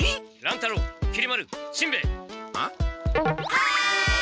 はい！